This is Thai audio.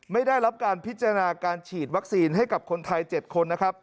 ไม่ได้รับการพิจารณาการฉีดวัคซีนให้กับคนไทย๗คนนะครับ